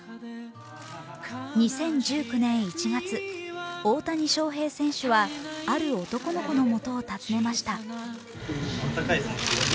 ２０１９年１月、大谷翔平選手はある男の子の元を訪ねました。